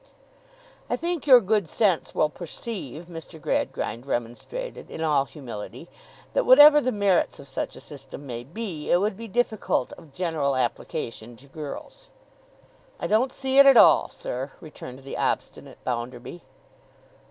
'I think your good sense will perceive,' Mr. Gradgrind remonstrated in all humility, 'that whatever the merits of such a system may be, it would be difficult of general application to girls.' 'I don't see it at all, sir,' returned the obstinate Bounderby.